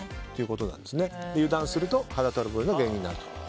油断すると肌トラブルの原因になると。